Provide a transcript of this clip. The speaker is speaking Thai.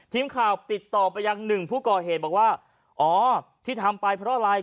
ทีมข่าวติดต่อไปยังหนึ่งผู้ก่อเหตุบอกว่าอ๋อที่ทำไปเพราะอะไร